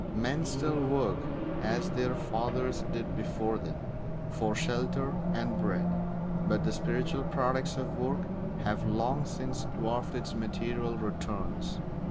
Men still work, as their fathers did before them, for shelter and bread; but the spiritual products of work have long since dwarfed its material returns.